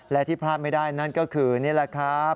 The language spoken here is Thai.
และที่พลาดไม่ได้นั่นก็คือนี่แหละครับ